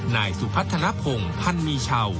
นายสุพัฒนภงพันมีเช่า